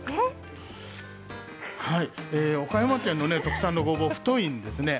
岡山県の国産のごぼう、太いんですね。